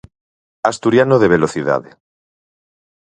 Asturiano de Velocidade.